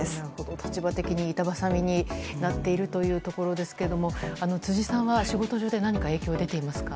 立場的に板挟みになっているということですが辻さんは仕事上で何か影響は出ていますか？